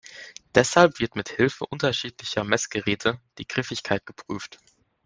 Deshalb wird mit Hilfe unterschiedlicher Messgeräte die Griffigkeit geprüft.